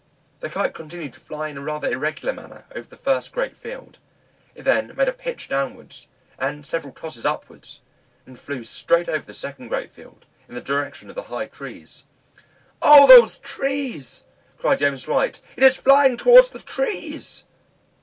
The Kite continued to fly in rather an irregular manner over the first great field. It then made a pitch downwards, and several tosses upwards, and flew straight over the second great field, in the direction of the high trees. "O, those trees!" cried James White, "it is flying towards the trees!"